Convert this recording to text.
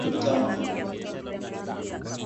nilikuwa naota ndoto za ajabu usiku mzima